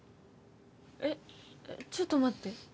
えっちょっと待って。